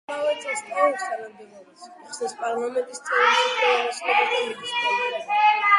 იმავე წელს ტოვებს თანამდებობას, იხსნის პარლამენტის წევრის უფლებამოსილებას და მიდის პოლიტიკიდან.